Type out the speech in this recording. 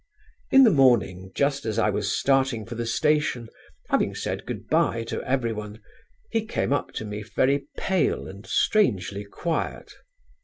"In the morning just as I was starting for the station, having said 'goodbye' to everyone, he came up to me very pale and strangely quiet.